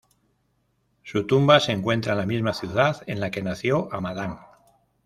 Su tumba se encuentra en la misma ciudad en la que nació, Hamadán.